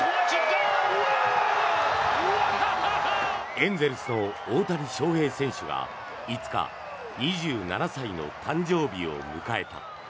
エンゼルスの大谷翔平選手が５日、２７歳の誕生日を迎えた。